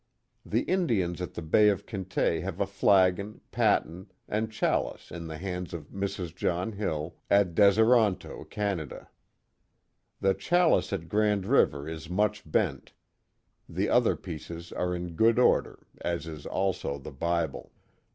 The Indians at the Bay of Quinte have a flagon, paten, and chalice in the hands of Mrs. John Hill, at Deseronto, Canada. The chalice at Grand River is much bent, the other pieces are in good order, as is also the Bible.